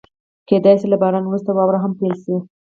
کېدای شي له بارانه وروسته واوره هم پيل شي.